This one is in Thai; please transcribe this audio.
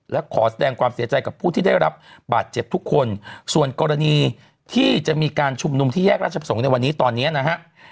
และขอแสดงความเสียใจกับผู้ที่ได้รับบาดเจ็บทุกคนส่วนกรณีที่จะมีการชุมนุมที่แยกราชประสงค์ในวันนี้ตอนเนี้ยนะฮะ